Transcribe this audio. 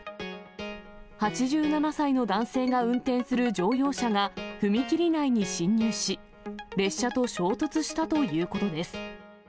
８７歳の男性が運転する乗用車が踏切内に進入し、列車と衝突したということです。